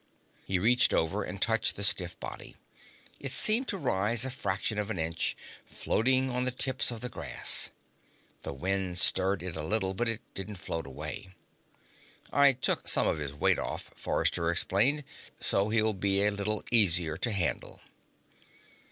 He reached over and touched the stiff body. It seemed to rise a fraction of an inch, floating on the tips of the grass. The wind stirred it a little, but it didn't float away. "I took some of his weight off," Forrester explained, "so he'll be a little easier to handle."